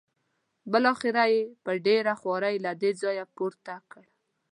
بالاخره یې په ډېره خوارۍ له دې ځایه پورته کړ.